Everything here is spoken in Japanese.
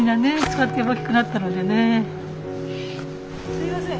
すいません。